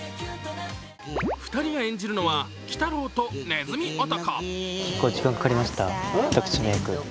２人が演じるのは鬼太郎とねずみ男。